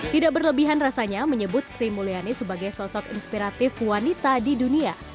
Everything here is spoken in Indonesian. tidak berlebihan rasanya menyebut sri mulyani sebagai sosok inspiratif wanita di dunia